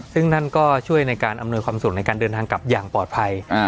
ซึ่งนั่นก็ช่วยในการอำนวยความสุขในการเดินทางกลับอย่างปลอดภัย